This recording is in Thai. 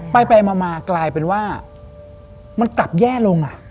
ไปมากลายเป็นว่ามันกลับแย่ลง